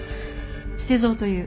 捨蔵という。